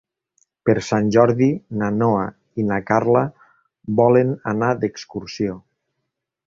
Per Sant Jordi na Noa i na Carla volen anar d'excursió.